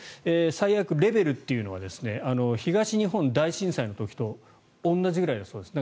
最悪レベルというのは東日本大震災の時と同じぐらいだそうです。